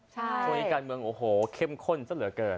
ช่วงนี้การเมืองเข้มข้นเสียเหลือเกิน